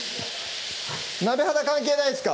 鍋肌関係ないですか？